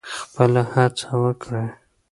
خپله هڅه وکړئ.